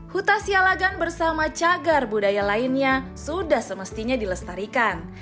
huta sialagan bersama cagar budaya lainnya sudah semestinya dilestarikan